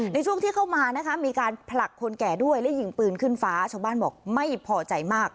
ในช่วงที่เข้ามานะคะมีการผลักคนแก่ด้วยและยิงปืนขึ้นฟ้าชาวบ้านบอกไม่พอใจมาก